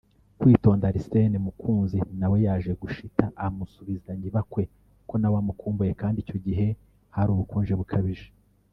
Kwitonda Arsene mukunzi nawe yaje gushita amusubizanya ibakwe ko nawe amukumbuye kandi icyo gihe hari ubukonje bukabije